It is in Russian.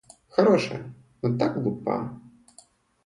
Хорошая, но так глупа!